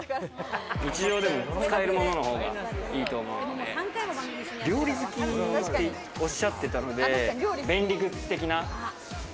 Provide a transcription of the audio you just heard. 日常でも使えるもののほうがいいと思うので、料理好きっておっしゃっていたので、便利グッズ的な。